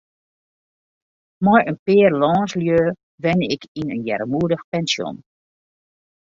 Mei in pear lânslju wenne ik yn in earmoedich pensjon.